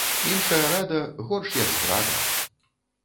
Іншая рада ‒ горш як здрада